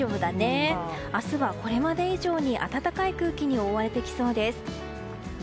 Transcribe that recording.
明日は、これまで以上に暖かい空気に覆われてきそうです。